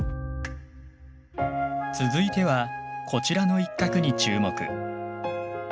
続いてはこちらの一画に注目。